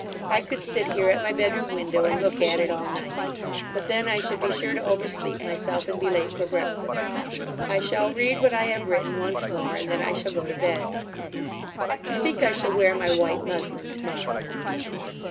I could sit here at my bedroom window and look at it all night. But then I should be sure to oversleep myself and be late for breakfast. I shall read what I have written once more, and then I shall go to bed. I think I shall wear my white muslin tomorrow.